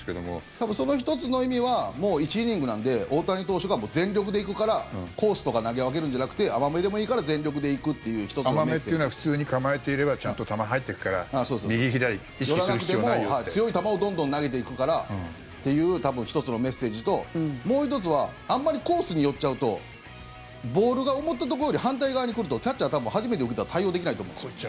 多分、その１つの意味はもう１イニングなんで大谷投手が全力で行くからコースとか投げ分けるんじゃなくて甘めでもいいから全力で行くっていう甘めっていうのは普通に構えていればちゃんと球、入っていくから寄らなくても強い球をどんどん投げていくからっていう１つのメッセージともう１つはあまりコースに寄っちゃうとボールが思ったとこより反対側に来るとキャッチャー、多分初めて受けたら対応できないと思うんですよ。